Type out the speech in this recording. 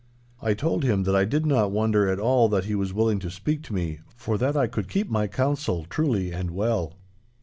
I told him that I did not wonder at all that he was willing to speak to me, for that I could keep my counsel truly and well.